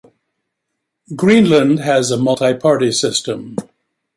Greenland has a multi-party system.